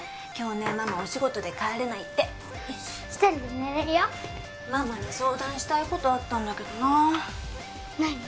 今日ねママお仕事で帰れないって一人で寝れるよママに相談したいことあったんだけどな何？